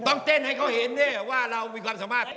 ต้องเต้นให้เขาเห็นด้วยว่าเรามีความสามารถ